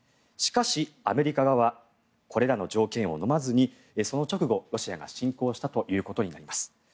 しかし、アメリカ側はこれらの条件をのまずにその直後、ロシアが侵攻したということになります。